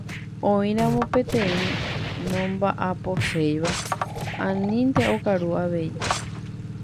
Oĩramo peteĩ nomba'aposéiva anínte okaru avei.